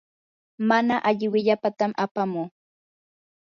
mana alli willapatam apamuu.